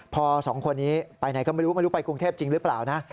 พอสองคนนี้ไปไหนก็ไม่รู้ไม่รู้ไปกรุงเทพจริงหรือเปล่านะ